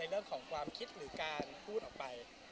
เรื่องของความคิดหรือการพูดออกไป